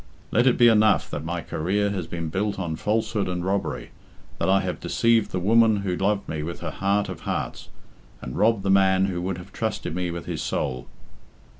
Let it be enough that my career has been built on falsehood and robbery, that I have deceived the woman who loved me with her heart of hearts, and robbed the man who would have trusted me with his soul."